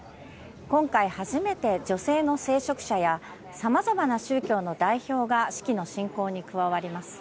今回、初めて女性の聖職者や、さまざまな宗教の代表が式の進行に加わります。